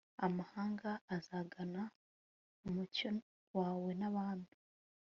Amahanga azagana umucyo wawe n abami